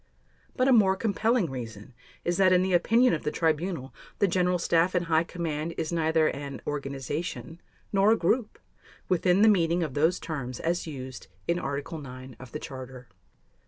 But a more compelling reason is that in the opinion of the Tribunal the General Staff and High Command is neither an "organization" nor a "group" within the meaning of those terms as used in Article 9 of the Charter.